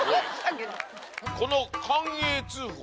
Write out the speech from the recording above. この寛永通宝。